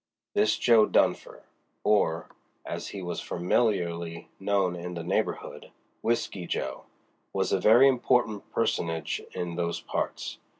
This Jo. Dunfer—or, as he was familiarly known in the neighborhood, Whisky Jo.—was a very important personage in those parts.